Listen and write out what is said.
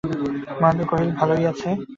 মহেন্দ্র কহিল, ভালোই আছে।